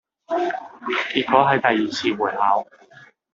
結果喺第二次會考